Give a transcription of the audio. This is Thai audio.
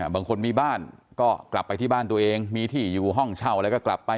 บางคนมีบ้านก็กลับไปที่บ้านตัวเองมีที่อยู่ห้องเช่าอะไรก็กลับไป